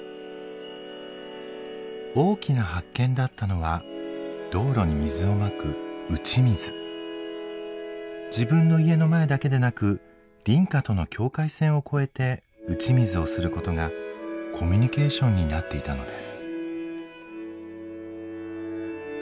大きな発見だったのは道路に水をまく自分の家の前だけでなく隣家との境界線を越えて打ち水をすることがコミュニケーションになっていたのです。